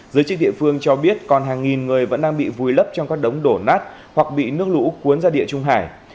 giới chức địa phương cho biết còn hàng nghìn người vẫn đang bị vùi lấp trong các đống đổ nát hoặc bị nước lũ cuốn ra địa trung hải